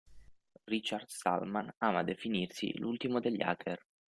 Richard Stallman ama definirsi "l'ultimo degli hacker".